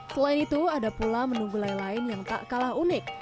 selain itu ada pula menu gulai lain yang tak kalah unik